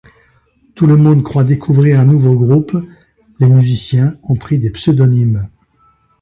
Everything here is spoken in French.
Tout le monde croit découvrir un nouveau groupe, les musiciens ont pris des pseudonymes.